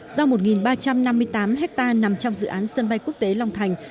do một ba trăm năm mươi tám hectare nằm trong dự án sân bay quốc tế long thành